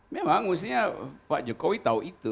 memang mestinya pak jokowi tahu itu